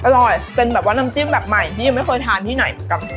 อร่อยเป็นแบบว่าน้ำจิ้มแบบใหม่ที่ยังไม่เคยทานที่ไหน